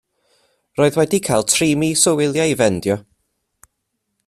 Yr oedd wedi cael tri mis o wyliau i fendio.